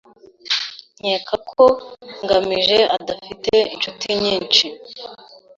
Nkeka ko ngamije adafite inshuti nyinshi.